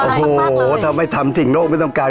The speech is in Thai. โอ้โหถ้าไม่ทำสิ่งโน่ไม่ต้องการ